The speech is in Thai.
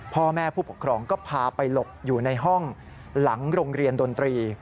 พ่อแม่ผู้ปกครองก็พาไปหลบอยู่ในห้องหลังโรงเรียนดนตรี